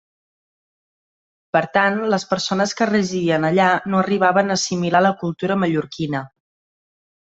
Per tant, les persones que residien allà no arribaven a assimilar la cultura mallorquina.